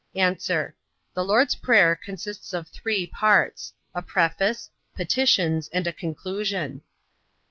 A. The Lord's prayer consists of three parts; a preface, petitions, and a conclusion.